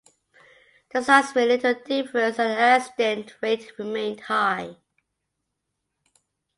The signs made little difference and the accident rate remained high.